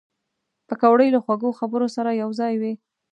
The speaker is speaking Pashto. پکورې له خوږو خبرو سره یوځای وي